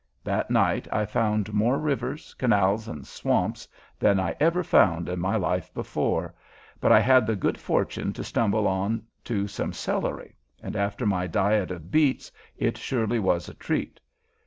That night I found more rivers, canals, and swamps than I ever found in my life before, but I had the good fortune to stumble on to some celery, and after my diet of beets it surely was a treat.